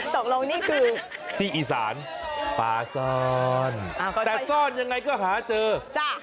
ตกลงนี่คือที่อีสานป่าซ่อนแต่ซ่อนยังไงก็หาเจอจ้ะ